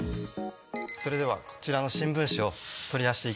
それではこちらの新聞紙を取り出していきます。